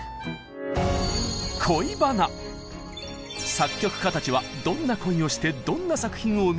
作曲家たちはどんな恋をしてどんな作品を生み出したのか。